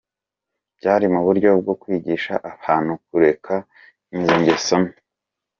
Byari mu buryo bwo kwigisha abantu kureka izo ngeso.